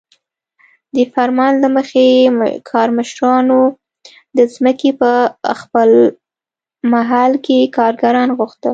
د فرمان له مخې کارمشرانو د ځمکې په خپل محل کې کارګران غوښتل.